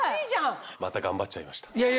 また頑張っちゃいました。